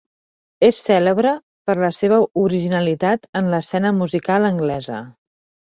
És cèlebre per la seva originalitat en l'escena musical anglesa.